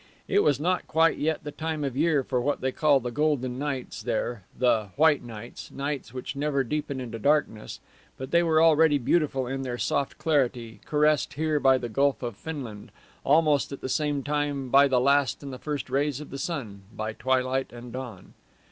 It was not quite yet the time of year for what they call the golden nights there, the "white nights," nights which never deepen to darkness, but they were already beautiful in their soft clarity, caressed, here by the Gulf of Finland, almost at the same time by the last and the first rays of the sun, by twilight and dawn.